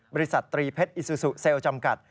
ตรีเพชรอิซูซูเซลล์จำกัด